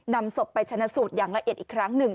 นำศพไปชนะสูตรอย่างละเอียดอีกครั้งหนึ่ง